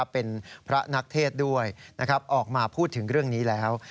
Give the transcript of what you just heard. เป็นพระนักเทศด้วยออกมาพูดถึงเรื่องนี้แล้ว